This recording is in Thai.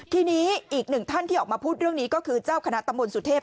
ทีนี้อีกหนึ่งท่านที่ออกมาพูดเรื่องนี้ก็คือเจ้าคณะตำบลสุเทพ